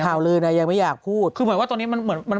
ข่าวลือนะยังไม่อยากพูดคือหมายว่าตอนนี้มันเหมือน